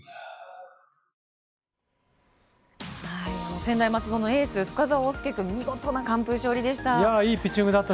専大松戸のエース深沢鳳介君見事な完封勝利でした。